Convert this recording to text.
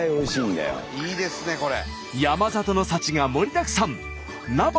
いいですねこれ。